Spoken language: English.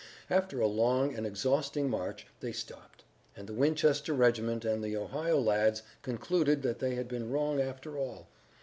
After a long and exhausting march they stopped, and the Winchester regiment and the Ohio lads concluded that they had been wrong after all.